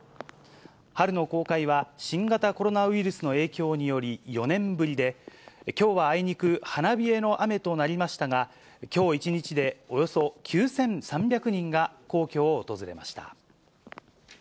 春の公開は、新型コロナウイルスの影響により４年ぶりで、きょうはあいにく花冷えの雨となりましたが、きょう一日でおよそ９３００人が皇居を訪れました。